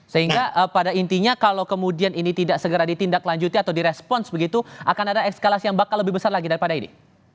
sehingga pada intinya kalau kemudian ini tidak segera ditindaklanjuti atau direspons begitu akan ada eskalasi yang bakal lebih besar lagi daripada ini